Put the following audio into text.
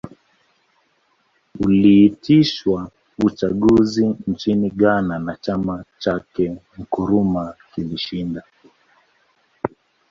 Uliitishwa uchaguzi nchini Ghana na chama chake Nkrumah kilishinda